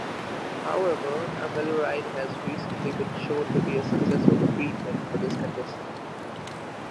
However, amiloride has recently been shown to be a successful treatment for this condition.